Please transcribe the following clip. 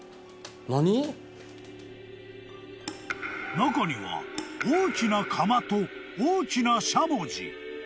［中には大きな釜と大きなしゃもじ］